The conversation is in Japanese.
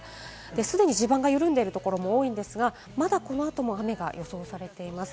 既に地盤が緩んでいるところも多いですが、まだこの後も雨が予想されています。